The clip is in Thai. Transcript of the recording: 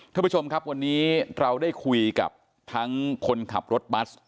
ท่านผู้ชมครับวันนี้เราได้คุยกับทั้งคนขับรถบัส